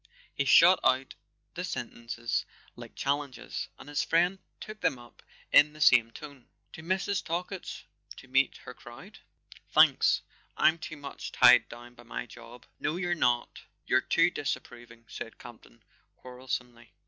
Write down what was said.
He shot out the sentences like challenges; and his friend took them up in the same tone. "To Mrs. Talkett's—to meet her crowd? Thanks— I'm too much tied down by my job." "No; you're not. You're too disapproving," said Campton quarrelsomely.